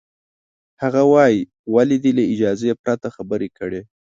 هغه وایي، ولې دې له اجازې پرته خبرې کړې؟